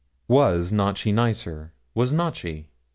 'Was not she nicer? was not she?